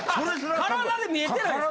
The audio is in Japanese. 体で見えてないんですか。